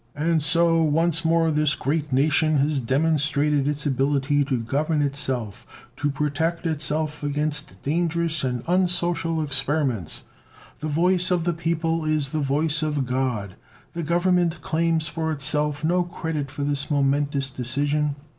"... And so once more this great nation has demonstrated its ability to govern itself, to protect itself against dangerous and unsocial experiments. The voice of the people is the voice of God. The Government claims for itself no credit for this momentous decision.